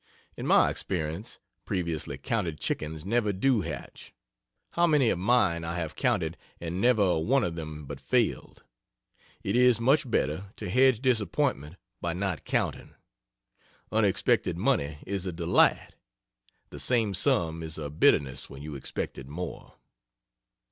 In my experience, previously counted chickens never do hatch. How many of mine I have counted! and never a one of them but failed! It is much better to hedge disappointment by not counting. Unexpected money is a delight. The same sum is a bitterness when you expected more.